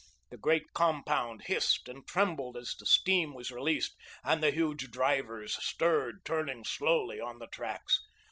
The great compound hissed and trembled as the steam was released, and the huge drivers stirred, turning slowly on the tracks.